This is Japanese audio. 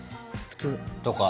普通。